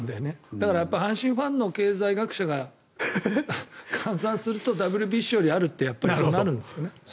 だから阪神ファンの経済学者が換算するとＷＢＣよりあるってそうなるんですよね。